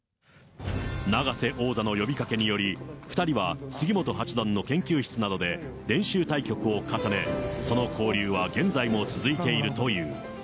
永瀬王座の呼びかけにより、２人は杉本八段の研究室などで練習対局を重ね、その交流は現在も続いているという。